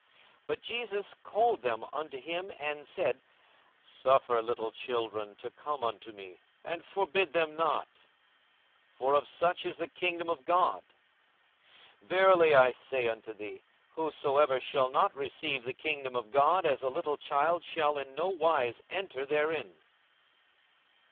42:018:016 But Jesus called them unto him, and said, Suffer little children to come unto me, and forbid them not: for of such is the kingdom of God. 42:018:017 Verily I say unto you, Whosoever shall not receive the kingdom of God as a little child shall in no wise enter therein.